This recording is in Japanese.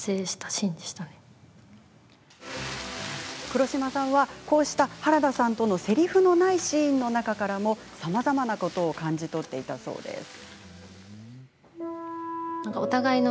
黒島さんは、こうした原田さんとのせりふのないシーンの中からもさまざまなことを感じ取っていたそうです。